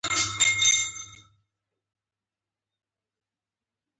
لکه غر، هغسي یې کربوڼی